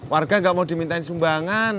warga nggak mau dimintain sumbangan